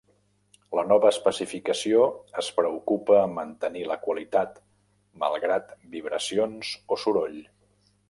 La nova especificació es preocupa a mantenir la qualitat malgrat vibracions o soroll.